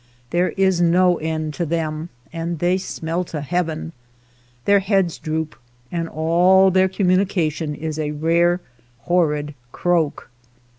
There is no end to them, and they smell to heaven. Their heads droop, and all their communi cation is a rare, horrid croak.